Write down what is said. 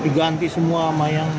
diganti semua sama yang